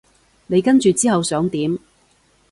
你跟住之後想點？